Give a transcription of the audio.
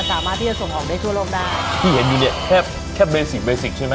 สามารถที่จะส่งออกได้ทั่วโลกได้ที่เห็นอยู่เนี่ยแค่แค่เบสิกเบสิกใช่ไหม